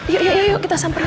yuk ya yuk kita samperin